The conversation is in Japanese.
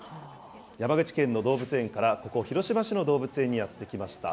山口県の動物園から、ここ、広島市の動物園にやって来ました。